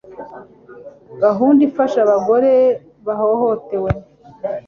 gahunda ifasha abagore bahohotewe